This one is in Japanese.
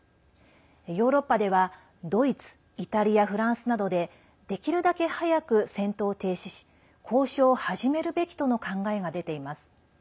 ヨーロッパではドイツイタリア、フランスなどでできるだけ早く戦闘を停止し交渉を始めるべきとの考えが出ています。